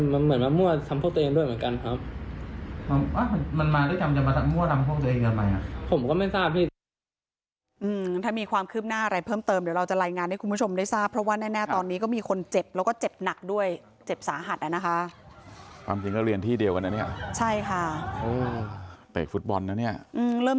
มันมาด้วยกรรมจะมาทำมั่วทำพวกตัวเองกันไหม